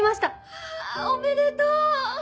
わぁおめでとう！